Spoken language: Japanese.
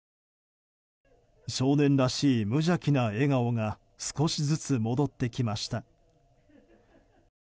少年らしい無邪気な笑顔が少しずつ戻ってきました。